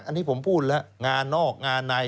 อันนี้ผมพูดแล้วงานนอกงานใน